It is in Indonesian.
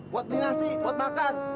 buat minasi buat makan